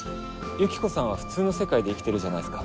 ユキコさんは普通の世界で生きてるじゃないっすか。